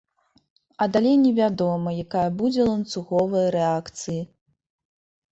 А далей невядома, якая будзе ланцуговая рэакцыя.